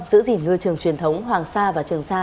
giữ gìn ngư trường truyền thống hoàng sa và trường sa